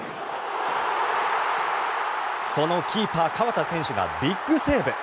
そのキーパー、河田選手がビッグセーブ。